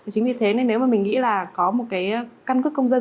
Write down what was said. chính vì thế nếu mình nghĩ là có một căn cước công dân